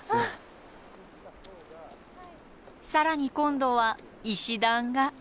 更に今度は石段が。